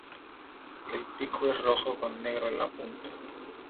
El pico es rojo con negro en la punta.